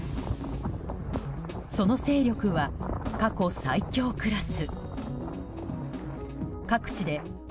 その勢力は過去最強クラス。